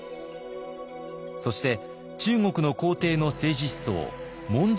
そして中国の皇帝の政治思想文章